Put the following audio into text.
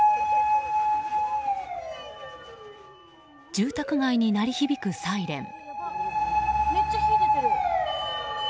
住宅街に鳴り響くサイレン。